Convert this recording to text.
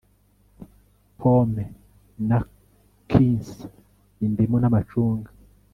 Pome na quinces Indimu namacunga